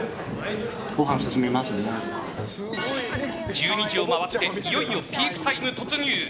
１２時を回っていよいよピークタイム突入。